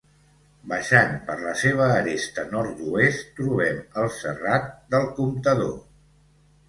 Baixant per la seva aresta nord-oest trobem el Serrat del Comptador.